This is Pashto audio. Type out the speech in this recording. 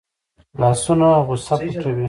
لاسونه غصه پټوي